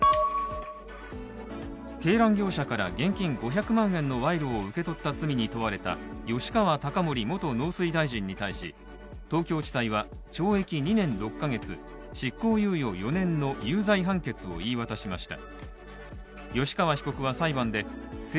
鶏卵業者から現金５００万円の賄賂を受け取った罪に問われた吉川貴盛元農水大臣に対し、東京地裁は懲役２年６ヶ月、執行猶予４年の有罪判決を言い渡しました。